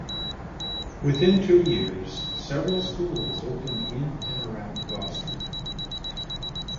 Within two years, several schools opened in and around Gloucester.